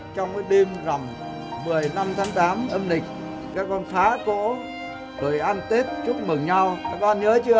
trong cái đêm rằm một mươi năm tháng tám âm lịch các con khá cổ rồi ăn tết chúc mừng nhau các con nhớ chưa